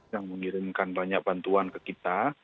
yang mengirimkan banyak bantuan ke kita